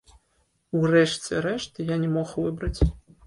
У рэшце рэшт, я не мог выбраць.